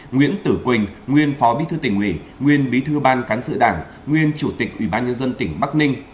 nguyễn tử quỳnh nguyên phó bí thư tỉnh ủy nguyên bí thư ban cán sự đảng nguyên chủ tịch ủy ban nhân dân tỉnh bắc ninh